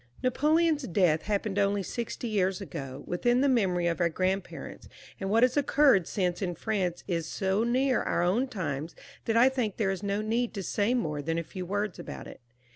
Napoleon's death happened only sixty years ago, within the memory of our grandparents, and what has happened since in France is so near our own times, that I think there is no need to say more than a few words about it.